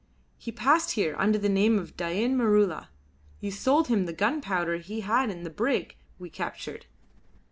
"He passed here under the name of Dain Maroola. You sold him the gunpowder he had in that brig we captured."